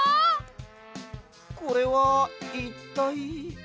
これはいったい？